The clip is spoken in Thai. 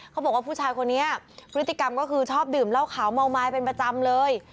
เขาบอกว่าผู้ชายคนนี้พฤติกรรมก็คือชอบดื่มเหล้าขาวเมาไม้เป็นประจำเลย